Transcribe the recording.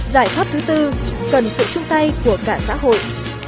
giải pháp thứ tư cần sự chung tay của cả xã hội